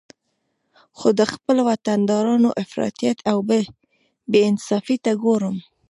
خو د خپل وطندارانو افراطیت او بې انصافي ته ګورم